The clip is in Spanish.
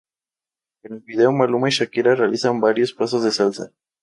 En el video Maluma y Shakira realizan varios pasos de salsa.